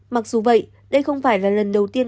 mặc dù vậy đây không phải là lần đầu tiên